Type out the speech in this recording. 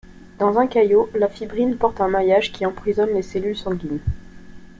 Dans un caillot, la fibrine forme un maillage qui emprisonne les cellules sanguines.